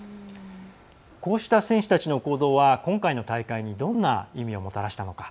こうした選手たちの行動は今回の大会にどんな意味をもたらしたのか。